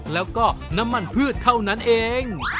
แล้วก็น้ำมันพืชเท่านั้นเอง